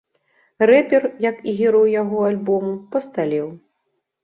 Рэпер, як і герой яго альбому, пасталеў.